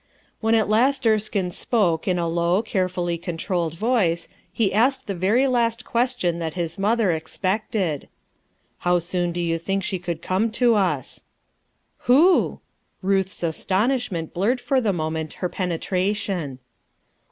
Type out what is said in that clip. When at last Erskine spoke in a low, care fully controlled voice, he asked the very last question that his mother expected. " How soon do you think she could come to us ?" "Who?" Ruth's astonishment blurred for the moment her penetration.